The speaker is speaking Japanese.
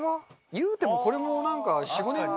言うてもこれもなんか４５年前から。